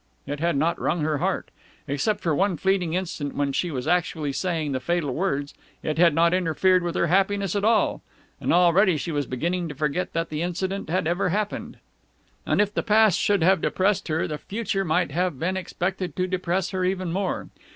It had not wrung her heart. Except for one fleeting instant when she was actually saying the fatal words, it had not interfered with her happiness at all; and already she was beginning to forget that the incident had ever happened. And, if the past should have depressed her, the future might have been expected to depress her even more.